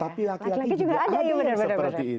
lagi lagi juga ada yang seperti itu